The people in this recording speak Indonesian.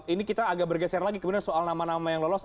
ini kita agak bergeser lagi kemudian soal nama nama yang lolos